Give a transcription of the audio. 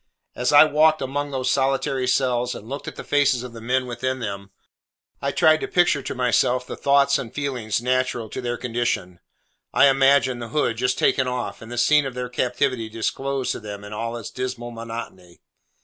As I walked among these solitary cells, and looked at the faces of the men within them, I tried to picture to myself the thoughts and feelings natural to their condition. I imagined the hood just taken off, and the scene of their captivity disclosed to them in all its dismal monotony.